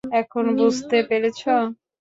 এখন বুঝতে পেরেছ?